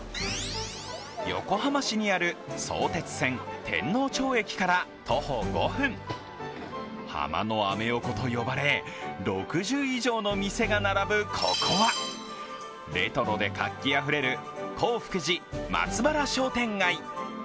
横浜市にある相鉄線天王町駅から徒歩５分、ハマのアメ横と呼ばれ、６０以上の店が並ぶここはレトロで活気あふれる洪福寺松原商店街。